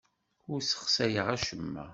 Ur ssexsayeɣ acemma.